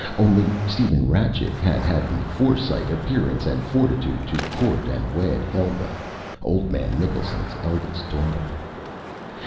Only Stephen Rajcik had had the foresight, appearance and fortitude to court and wed Helga, Old Man Mikkelsen's eldest daughter.